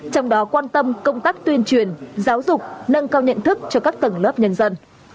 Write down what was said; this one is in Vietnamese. trong đó quan tâm công tác tuyên truyền giáo dục nâng cao nhận thức cho các tầng lớp nhân dân